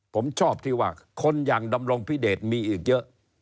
ผมชอบที่ว่าคนอย่างดำรงพิเดชมีอีกเยอะ